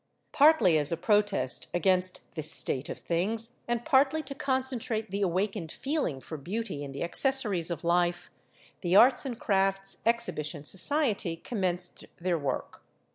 Partly as a protest against this state of things, and partly to concentrate the awakened feeling for beauty in the accessories of life, the Arts and Crafts Exhibition Society commenced their work.